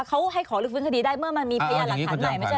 เขาให้ขอลื้อฟื้นคดีได้เมื่อมันมีพยานหลักฐานใหม่ไม่ใช่